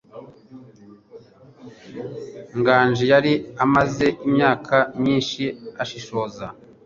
Nganji yari amaze imyaka myinshi ashishoza.